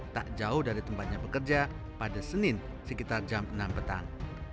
tak jauh dari tempatnya bekerja pada senin sekitar jam enam petang